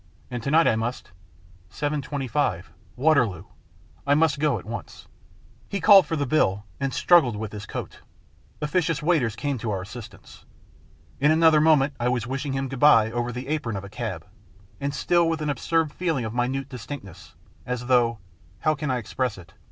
And to night I must Seven twenty five. Waterloo ! I must go at once." He called for the bill, and struggled with his coat. Officious waiters came to our assistance. In another moment I was wishing him good bye, over the apron of a cab, and still with an absurd feeling of minute distinctness, as though how can I express it?